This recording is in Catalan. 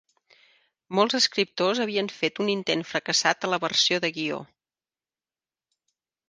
Molts escriptors havien fet un intent fracassat a la versió de guió.